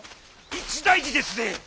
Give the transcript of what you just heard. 一大事ですぜ！